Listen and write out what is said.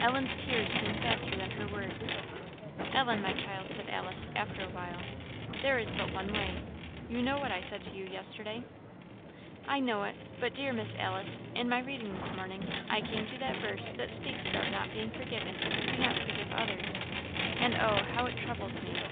Ellen's tears came faster than her words. "Ellen, my child," said Alice, after a while, "There is but one way. You know what I said to you yesterday?" "I know it; but, dear Miss Alice, in my reading this morning I came to that verse that speaks about not being forgiven if we do not forgive others; and oh! how it troubles me!